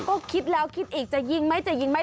ก็คิดแล้วคิดอีกจะยิงไหมจะยิงไหม